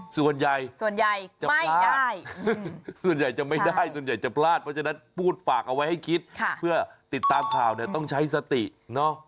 ส่วนใหญ่ส่วนใหญ่จะไม่ได้ส่วนใหญ่จะไม่ได้ส่วนใหญ่จะพลาดเพราะฉะนั้นพูดฝากเอาไว้ให้คิดเพื่อติดตามข่าวเนี่ยต้องใช้สติเนาะ